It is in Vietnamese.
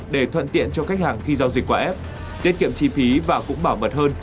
để thuận tiện cho khách hàng khi giao dịch qua app tiết kiệm chi phí và cũng bảo mật hơn